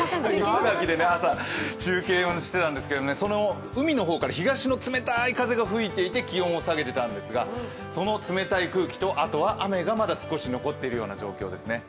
茨城で朝、中継をしてたんですけれども、海の方から東の冷たい風が吹いていて気温を下げていたんですが、その冷たい空気とあとは雨がまだ少し残っているような状況ですね。